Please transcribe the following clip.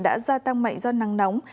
đã gia tăng mạnh do năng nóng